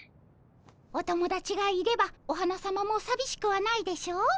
おともだちがいればお花さまもさびしくはないでしょう？